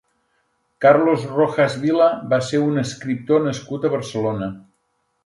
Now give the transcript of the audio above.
Carlos Rojas Vila va ser un escriptor nascut a Barcelona.